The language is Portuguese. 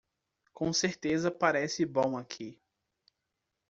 Com certeza parece bom daqui.